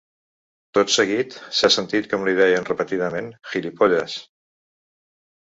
Tot seguit s’ha sentit com li deien repetidament: ‘gilipollas’.